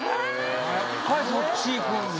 やっぱりそっちいくんだ